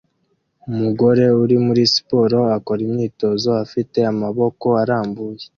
Umugabo uri muri siporo akora imyitozo afite amaboko arambuye